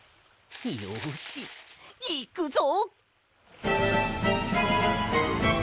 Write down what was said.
よしいくぞ！